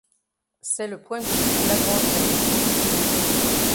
C'est le point de vue Lagrangien.